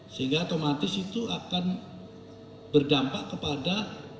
sehingga otomatis itu akan berdampak kepada